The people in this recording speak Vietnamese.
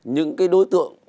những cái đối tượng